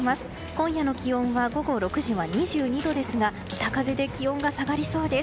今夜の気温は午後６時は２２度ですが北風で気温が下がりそうです。